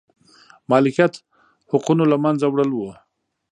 مالکیت حقونو له منځه وړل و.